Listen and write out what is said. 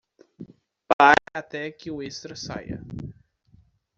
Pare até que o extra saia.